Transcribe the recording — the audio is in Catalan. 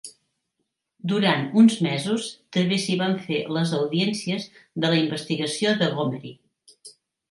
Durant uns mesos també s'hi van fer les audiències de la investigació de Gomery.